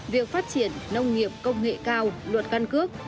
việc phát triển nông nghiệp công nghệ cao luật căn cước